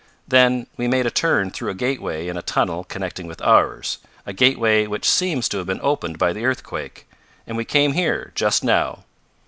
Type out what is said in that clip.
Then we made a turn through a gateway in a tunnel connecting with ours a gateway which seems to have been opened by the earthquake and we came here, just now.